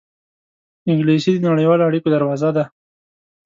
انګلیسي د نړیوالو اړېکو دروازه ده